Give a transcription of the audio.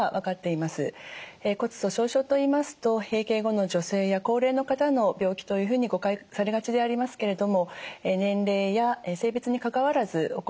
骨粗しょう症といいますと閉経後の女性や高齢の方の病気というふうに誤解されがちでありますけれども年齢や性別にかかわらず起こる病気となります。